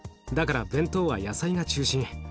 だから弁当は野菜が中心。